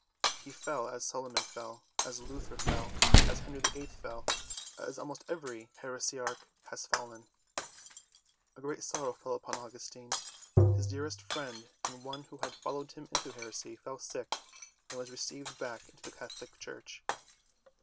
He fell as Solomon fell, as Luther fell, as Henry VIII. fell, as almost every heresiarch has fallen. A great sorrow fell upon Augustine. His dearest friend and one who had followed him into heresy fell sick and was received back into the Catholic Church.